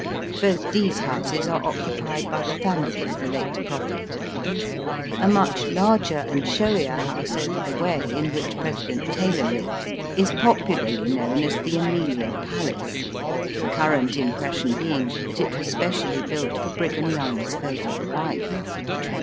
Both these houses are occupied by the family of the late Prophet. A much larger and showier house over the way, in which President Taylor lives, is popularly known as the Amelia Palace, the current impression being that it was specially built for Brigham Young's favourite wife.